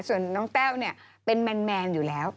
ส่วนน้องแต้วเนี่ยเป็นแมนอยู่แล้ว